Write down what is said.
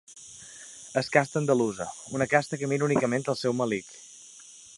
És casta andalusa; una casta que mira únicament el seu melic.